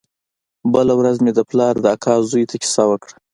بله ورځ مې د پلار د اکا زوى ته کيسه وکړه.